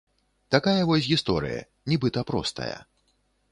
Такая вось гісторыя, нібыта простая.